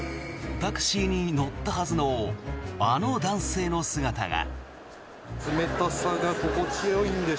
タクシーに乗ったはずのあの男性の姿が。